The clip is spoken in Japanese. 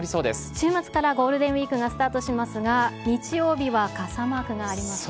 週末からゴールデンウィークがスタートしますが、日曜日は傘マークがありますね。